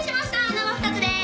生２つです！